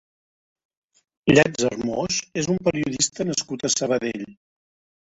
Llàtzer Moix és un periodista nascut a Sabadell.